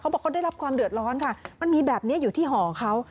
ส่วนจริงของเขาพบความเดือดร้อนมันมีอยู่ที่หอเขา